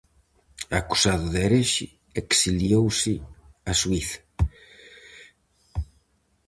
Acusado de herexe, exiliouse a Suíza.